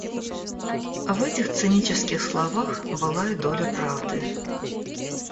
В этих цинических словах была и доля правды.